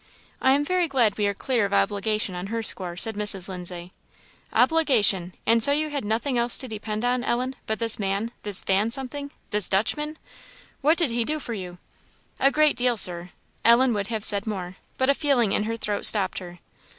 "I am very glad we are clear of obligation on her score," said Mrs. Lindsay. "Obligation! And so you had nothing else to depend on, Ellen, but this man this Van something this Dutchman! What did he do for you?" "A great deal, Sir." Ellen would have said more, but a feeling in her throat stopped her.